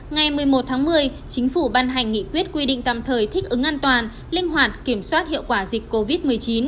ngày một mươi một tháng một mươi chính phủ ban hành nghị quyết quy định tạm thời thích ứng an toàn linh hoạt kiểm soát hiệu quả dịch covid một mươi chín